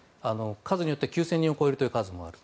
数によっては９０００人を超えるという数もある。